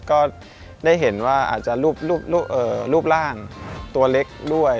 ก็ได้เห็นว่าอาจจะรูปร่างตัวเล็กด้วย